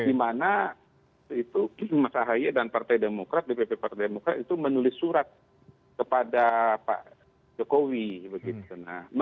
dimana itu mas ahaye dan partai demokrat dpp partai demokrat itu menulis surat kepada pak jokowi begitu